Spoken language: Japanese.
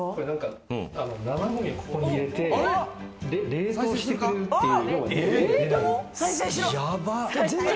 生ごみをここに入れて、冷凍してくれるっていう。